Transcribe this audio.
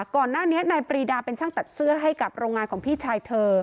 ก่อนหน้านี้นายปรีดาเป็นช่างตัดเสื้อให้กับโรงงานของพี่ชายเธอ